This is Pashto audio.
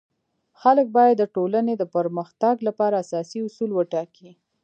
خلک باید د ټولنی د پرمختګ لپاره اساسي اصول وټاکي.